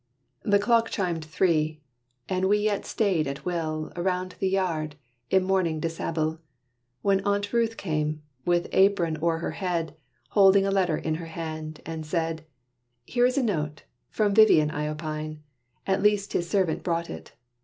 The clock chimed three, and we yet strayed at will About the yard in morning dishabille, When Aunt Ruth came, with apron o'er her head, Holding a letter in her hand, and said, "Here is a note, from Vivian I opine; At least his servant brought it.